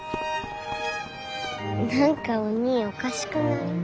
何かおにぃおかしくない？